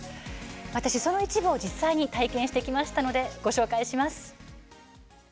私は、その一部を実際に体験してきましたのでご紹介します。